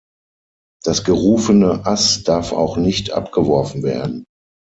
Das gerufene Ass darf auch nicht abgeworfen werden.